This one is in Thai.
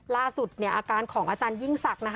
ล่าสุดอาการของอาจารย์ยิ่งศักดิ์